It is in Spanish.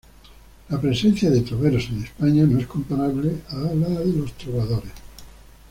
La presencia de troveros en España no es comparable a la de los trovadores.